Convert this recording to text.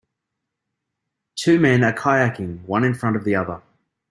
Two men are kayaking, one in front of the other.